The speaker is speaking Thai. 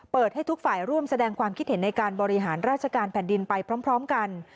ให้ทุกฝ่ายร่วมแสดงความคิดเห็นในการบริหารราชการแผ่นดินไปพร้อมกัน